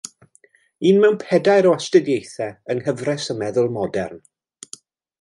Un mewn pedair o astudiaethau yng Nghyfres y Meddwl Modern.